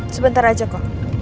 sebentar aja kok